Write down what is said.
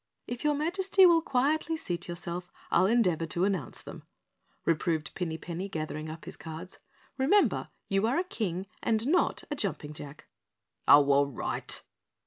"If your Majesty will quietly seat yourself, I'll endeavor to announce them," reproved Pinny Penny, gathering up his cards. "Remember you are a King and not a jumping jack." "Oh all right."